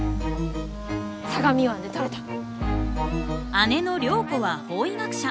姉の涼子は法医学者。